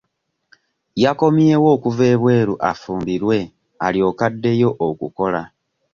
Yakomyewo okuva ebweru afumbirwe alyoke addeyo okukola.